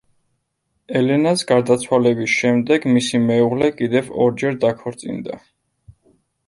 ელენას გარდაცვალების შემდეგ მისი მეუღლე კიდევ ორჯერ დაქორწინდა.